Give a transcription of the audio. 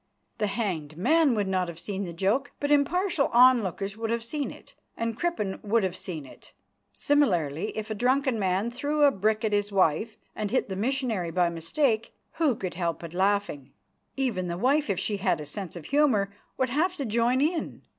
The hanged man would not have seen the joke, but impartial onlookers would have seen it, and Crippen would have seen it. Similarly, if a drunken man threw a brick at his wife and hit the missionary by mistake, who could help laughing? Even the wife, if she had a sense of humour, would have to join in.